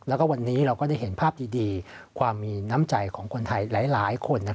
แล้วก็วันนี้เราก็ได้เห็นภาพดีความมีน้ำใจของคนไทยหลายคน